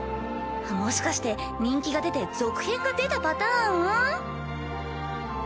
もしかして人気が出て続編が出たパターン？